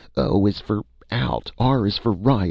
_ O is for Out! _R is for Riya!